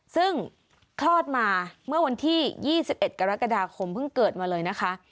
ซึ่งคลอดมาเมื่อวันที่๒๑กรกฎาคมเพิ่งเกิดมาเลยนะคะ